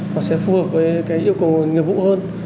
nó sẽ phù hợp với cái yêu cầu nghiệp vụ hơn